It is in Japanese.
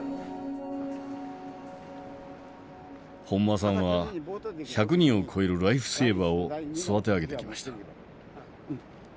本間さんは１００人を超えるライフセーバーを育て上げてきました。